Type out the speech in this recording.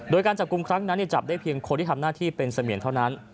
โดยการจับกลุ่มครั้งนั้นจับได้เพียงคนที่ทำหน้าที่เป็นเสมียนเท่านั้น